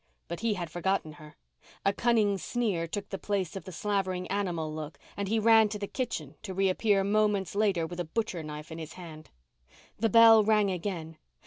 But he had forgotten her. A cunning sneer took the place of the slavering animal look and he ran to the kitchen to reappear moments later with a butcher knife in his hand. The bell rang again.